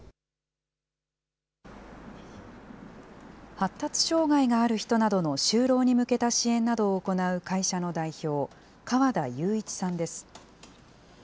発達障害がある人などの就労に向けた支援などを行う会社の代表、川田祐一さんです。